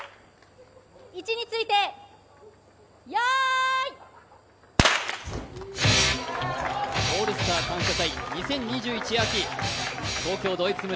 位置について、よーい「オールスター感謝祭２０２１秋」、東京ドイツ村